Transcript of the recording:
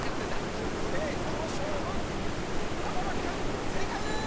ということでこの勝負山田君正解でーす！